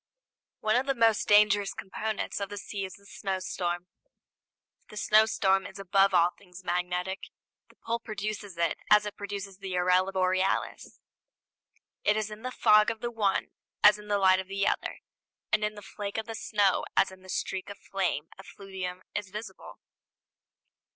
One of the most dangerous components of the sea is the snowstorm. The snowstorm is above all things magnetic. The pole produces it as it produces the aurora borealis. It is in the fog of the one as in the light of the other; and in the flake of snow as in the streak of flame effluvium is visible.